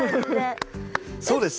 そうです。